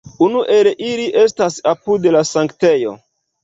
Unu el ili estas apud la Sanktejo.